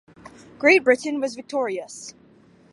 Great Britain was victorious.